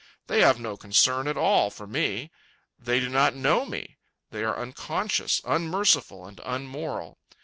They have no concern at all for me. They do not know me. They are unconscious, unmerciful, and unmoral.